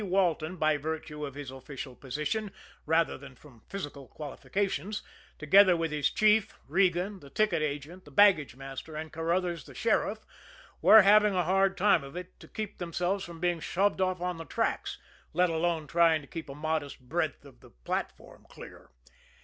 Walton, by virtue of his official position, rather than from physical qualifications, together with his chief, Regan, the ticket agent, the baggage master and Carruthers, the sheriff, were having a hard time of it to keep themselves from being shoved off on the tracks, let alone trying to keep a modest breadth of the platform clear.